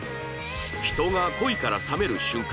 人が恋から冷める瞬間